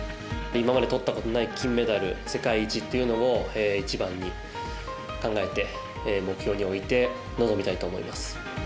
今までとったことのない金メダル、世界一というのを一番に考えて目標において臨みたいと思います。